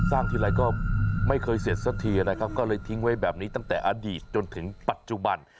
ทีไรก็ไม่เคยเสร็จสักทีนะครับก็เลยทิ้งไว้แบบนี้ตั้งแต่อดีตจนถึงปัจจุบัน